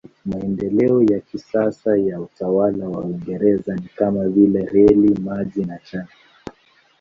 Maendeleo ya kisasa ya utawala wa Uingereza ni kama vile reli, maji na chai.